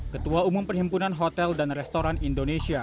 ketua umum perhimpunan hotel dan restoran indonesia